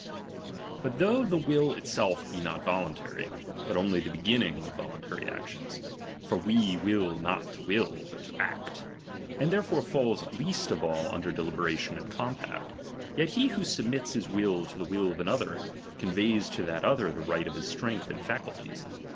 Hut thou^ the will itself be not voluntary, but outy the b^:uiiiitis of voluntary actions ; (for DOMINION. we will not to will, but to act) ; and therefore falls chap, i least of all under deliberation and compact ; yet he '" who submits bis will to the will of another, con veys to that other the right of his strength and faculties.